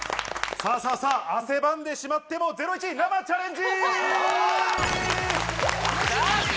汗ばんでしまっても、ゼロイチ生チャレンジ！